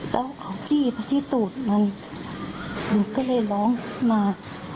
แล้วเขาจี้พอที่ตูดมันลูกก็เลยร้องมา